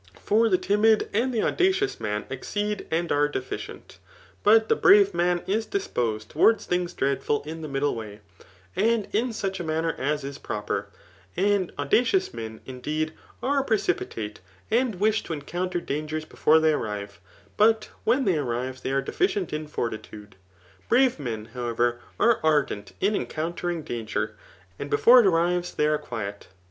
For the tindd and the audacious man exceed and are deficient ; but the brave man is diq>osed towards things dreadful in the middle way, and in such a manner as is propo*. And audacious men, indeed, are precipitate, and wii^ to en counter dangers before they arrive ; but when they ar rive they are deficient in fortitude. Brave mai, how ever, are ardem in encount^ing danger, but befimre k arrives they are quiet.